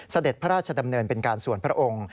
เสด็จพระราชดำเนินเป็นการส่วนพระองค์